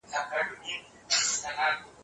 که شاګرد زیار ونه باسي پایله به یې خرابه سي.